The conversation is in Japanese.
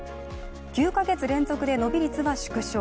９か月連続で伸び率は縮小。